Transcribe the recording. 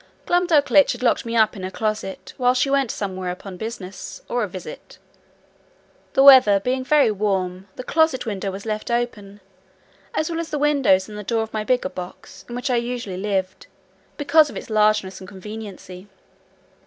Glumdalclitch had locked me up in her closet, while she went somewhere upon business, or a visit. The weather being very warm, the closet window was left open, as well as the windows and the door of my bigger box, in which I usually lived, because of its largeness and conveniency.